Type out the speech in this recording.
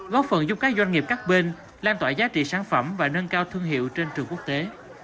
góp phần giúp các doanh nghiệp các bên lan tỏa giá trị sản phẩm và nâng cao thương hiệu trên trường quốc tế